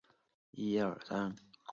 该物种的模式产地在中国海域。